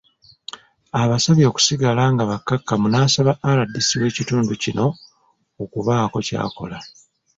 Abasabye okusigala nga bakkakkamu n'asaba RDC w'ekitundu kino okubaako ky'akola.